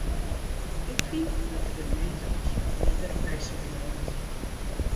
Ik fyn dat de gemeente as ferhierder byspringe moat.